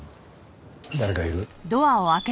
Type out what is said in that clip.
誰かいる？